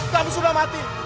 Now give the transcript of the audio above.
kamu sudah mati